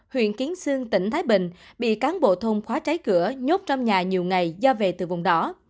huyện kiến sương tỉnh thái bình bị cán bộ thôn khóa trái cửa nhốt trong nhà nhiều ngày do về từ vùng đó